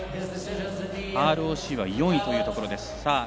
ＲＯＣは４位というところです。